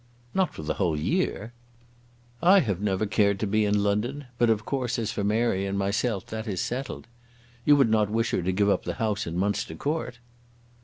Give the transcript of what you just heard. "Not for the whole year?" "I have never cared to be in London; but, of course, as for Mary and myself that is settled. You would not wish her to give up the house in Munster Court?"